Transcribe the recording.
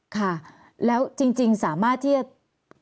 ค่ะแล้วจริงสามารถที่จะ